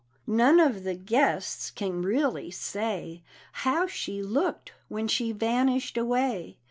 None of the guests can really say How she looked when she vanished away.